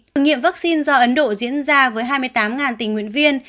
thử nghiệm vắc xin do ấn độ diễn ra với hai mươi tám tình nguyện viên